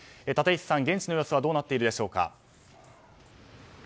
立石さん、現地の様子はどうなっているでしょうか。